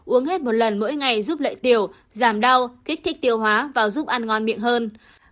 uống hết một lần mỗi ngày giúp lợi tiểu giảm đau kích thích tiêu hóa và giúp ăn ngon miệng hơn